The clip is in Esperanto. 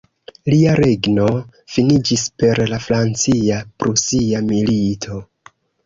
Lia regno finiĝis per la Francia-Prusia Milito.